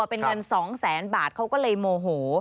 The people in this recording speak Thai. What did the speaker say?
เป็นเงิน๒แสนบาทเขาก็เลยโมโห